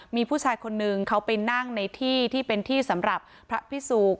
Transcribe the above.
มีผู้ชายคนนึงเขาไปนั่งในที่ที่เป็นที่สำหรับพระพิสุก